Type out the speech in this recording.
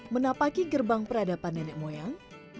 menapaki gerbang peradaban nenek moyang